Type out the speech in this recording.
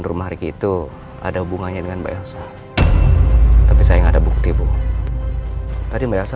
rumah riki itu ada hubungannya dengan mbak elsa tapi sayang ada bukti bu tadi merasa